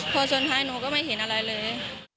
พอชนท้ายหนูก็ไม่เห็นอะไรเลย